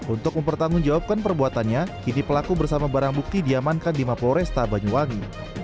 untuk mempertanggungjawabkan perbuatannya kini pelaku bersama barang bukti diamankan di mapo resta banyuwangi